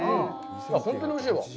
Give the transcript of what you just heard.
本当においしいわ。